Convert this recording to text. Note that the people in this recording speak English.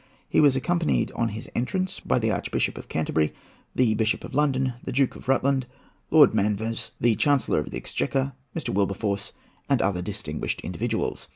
He was accompanied on his entrance by the Archbishop of Canterbury, the Bishop of London, the Duke of Rutland, Lord Manvers, the Chancellor of the Exchequer, Mr. Wilberforce, and other distinguished individuals.